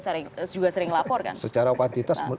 sering lapor kan secara kuantitas